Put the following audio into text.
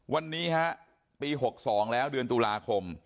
วันนี้ฮะปี๖๒แล้วเดือนตุลาคม